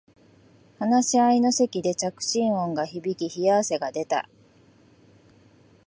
話し合いの席で着信音が響き冷や汗が出た